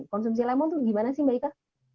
konsumsi lemon itu gimana sih mbak ika